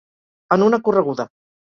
En una correguda.